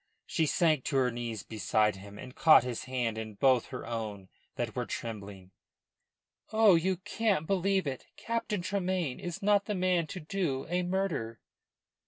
She sank to her knees beside him, and caught his hand in both her own that were trembling. "Oh, you can't believe it! Captain Tremayne is not the man to do a murder."